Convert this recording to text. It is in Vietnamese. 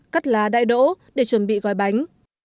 cắt lá đại đỗ để chuẩn bị gói bánh